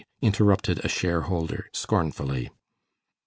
interrupted a shareholder, scornfully.